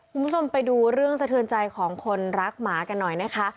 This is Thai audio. คุณผู้ชมไปดูเรื่องสะเทือนใจของคนรักหมากันหน่อยนะคะ